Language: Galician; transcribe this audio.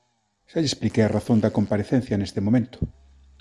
Xa lle expliquei a razón da comparecencia neste momento.